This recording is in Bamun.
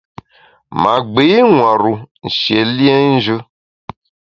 Ma gbi nwar-u nshié liénjù.